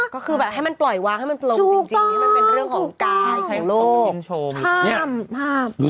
ก็คือแบบให้มันปล่อยวางให้มันปลงจริงนี่มันเป็นเรื่องของกายของโลก